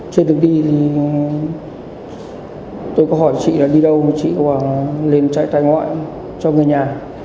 trên đường đi thì tôi có hỏi chị là đi đâu chị có bảo là lên chạy tài ngoại cho người nhà